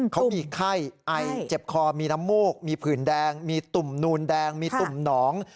เขามีไข้ไอเจ็บคอมีน้ำมูกมีผื่นแดงมีตุ่มนูนแดงมีตุ่มหนอง